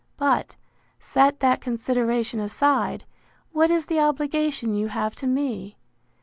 But, set that consideration aside, what is the obligation you have to me?